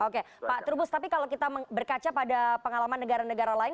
oke pak trubus tapi kalau kita berkaca pada pengalaman negara negara lain